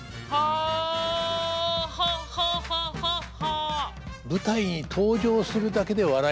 ウハハハハハハハ。